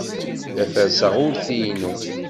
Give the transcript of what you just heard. La ferrseɣ urti-inu.